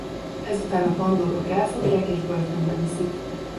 Ezután a pandúrok elfogják és börtönbe viszik.